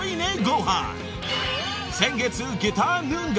［先月］